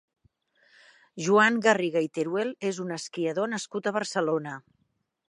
Joan Garriga i Teruel és un esquiador nascut a Barcelona.